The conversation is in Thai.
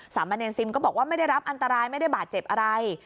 สามเณรซิมก็บอกว่าไม่ได้รับอันตรายไม่ได้บาดเจ็บอะไร